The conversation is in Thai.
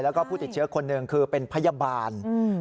แล้วก็ผู้ติดเชื้อคนหนึ่งคือเป็นพยาบาล